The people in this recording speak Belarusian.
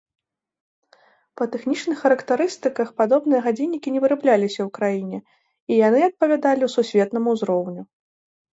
Па тэхнічных характарыстыках падобныя гадзіннікі не вырабляліся ў краіне і яны адпавядалі сусветнаму ўзроўню.